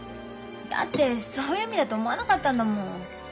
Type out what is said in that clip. だってそういう意味だと思わなかったんだもん。